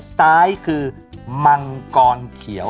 ซ้ายคือมังกรเขียว